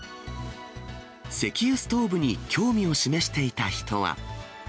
石油ストーブに興味を示していた人は。